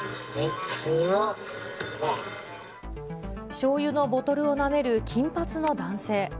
しょうゆのボトルをなめる金髪の男性。